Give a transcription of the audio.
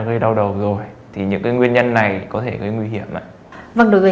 gây đau đầu rồi thì những cái nguyên nhân này có thể gây nguy hiểm ạ vâng đối với